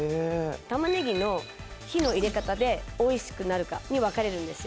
「玉ねぎの火の入れ方で美味しくなるかに分かれるんですよ」